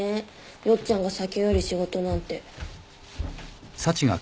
よっちゃんが酒より仕事なんて。